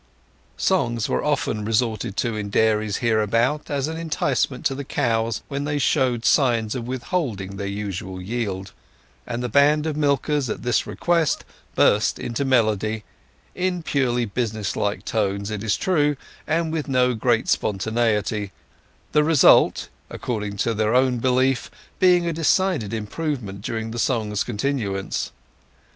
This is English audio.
Songs were often resorted to in dairies hereabout as an enticement to the cows when they showed signs of withholding their usual yield; and the band of milkers at this request burst into melody—in purely business like tones, it is true, and with no great spontaneity; the result, according to their own belief, being a decided improvement during the song's continuance.